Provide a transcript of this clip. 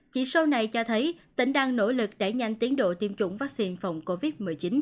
chỉ số này cho thấy tỉnh đang nỗ lực đẩy nhanh tiến độ tiêm chủng vaccine phòng covid một mươi chín